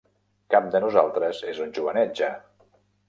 Cap de nosaltres és un jovenet ja.